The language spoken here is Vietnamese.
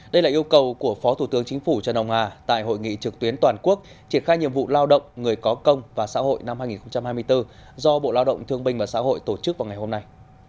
đây là yêu cầu của phó thủ tướng chính phủ trần hồng hà tại hội nghị trực tuyến toàn quốc triển khai nhiệm vụ lao động người có công và xã hội năm hai nghìn hai mươi bốn do bộ lao động thương binh và xã hội tổ chức vào ngày hôm nay